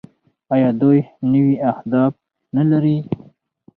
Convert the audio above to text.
آیا دوی نوي اهداف نلري؟